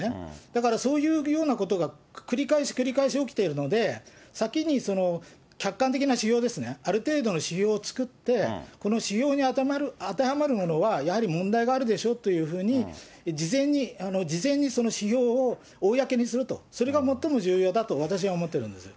だから、そういうようなことが繰り返し繰り返し起きているので、先に客観的な指標ですね、ある程度の指標を作って、この指標に当てはまるものは、やはり問題があるでしょっていうふうに事前に、事前にその指標を公にすると、それが最も重要だと私は思っているんです。